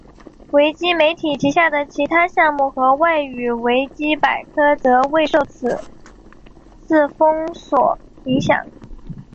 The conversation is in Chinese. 维基媒体旗下的其他项目和外语维基百科则未受此次封锁影响。